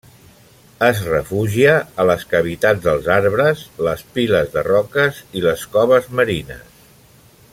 Es refugia a les cavitats dels arbres, les piles de roques i les coves marines.